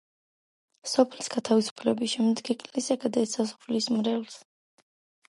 სოფლის გათავისუფლების შემდეგ ეკლესია გადაეცა სოფლის მრევლს.